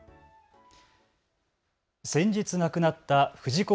先日亡くなった藤子